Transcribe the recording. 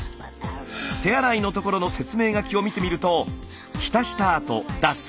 手洗いのところの説明書きを見てみると「ひたした後脱水をする」。